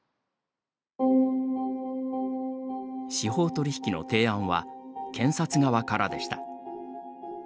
司法取引の提案は検察側からでした。